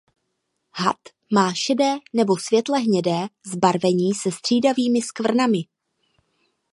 Had má šedé nebo světlé hnědé zbarvení se střídavými skvrnami.